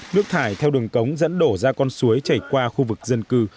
nước thải theo đường cống dẫn đổ ra con suối chảy qua khu vực dân cư